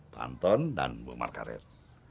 pak anton dan bu margaret